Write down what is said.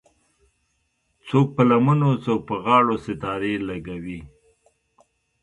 څوک په لمنو څوک په غاړو ستارې لګوي